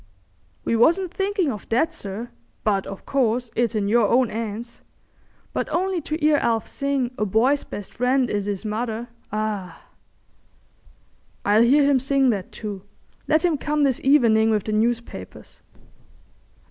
"We wasn't thinking of that, sir, but of course it's in your own 'ands; but only to 'ear Alf sing 'A Boy's best Friend is 'is Mother!' Ah!" "I'll hear him sing that too. Let him come this evening with the newspapers."